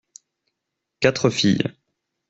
Quatre filles.